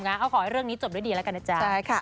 เอาขอให้เรื่องนี้จบด้วยดีแล้วกันนะจ๊ะ